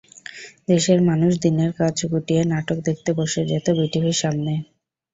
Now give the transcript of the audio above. দেশের মানুষ দিনের কাজ গুটিয়ে নাটক দেখতে বসে যেত বিটিভির সামনে।